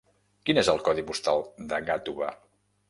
Quin és el codi postal de Gàtova?